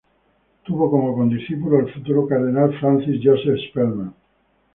Tuvo como discípulo al futuro Cardenal Francis Joseph Spellman.